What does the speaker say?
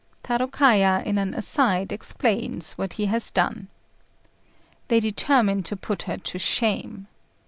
Tarôkaja, in an aside, explains what he has done. They determine to put her to shame.